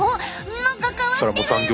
何か変わってるエボ！